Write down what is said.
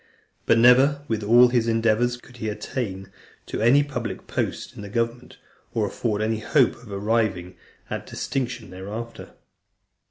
But never, with all his endeavours, could he attain to any public post in the government, or afford any hope of arriving at distinction thereafter.